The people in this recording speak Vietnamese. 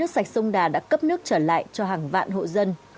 sông đà đã cấp nước trở lại cho hàng vạn hộ dân